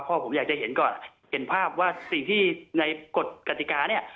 เพราะผมอยากจะเห็นก่อนเห็นภาพว่าสิ่งที่ในกฎกติกาเนี่ย